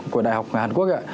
của đại học hàn quốc ạ